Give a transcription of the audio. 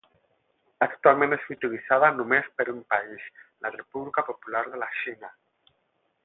Actualment és utilitzada només per un país, la República Popular de la Xina.